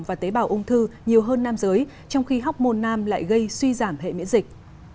và tế bào ung thư nhiều hơn nam giới trong khi học mồn nam lại gây suy giảm hệ miễn dịch